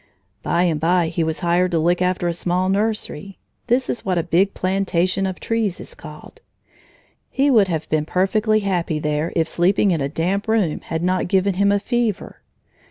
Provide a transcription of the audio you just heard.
By and by he was hired to look after a small nursery (this is what a big plantation of trees is called). He would have been perfectly happy there if sleeping in a damp room had not given him a fever.